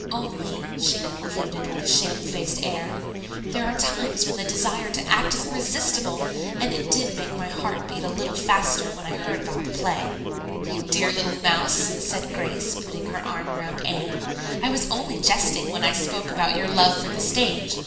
"Only," she concluded with a shame faced air, "there are times when the desire to act is irresistible, and it did make my heart beat a little bit faster when I heard about the play." "You dear little mouse," said Grace, putting her arm around Anne. "I was only jesting when I spoke about your love for the stage.